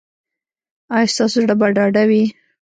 ایا ستاسو زړه به ډاډه وي؟